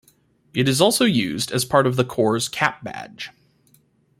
It is also used as part of the Corps' cap badge.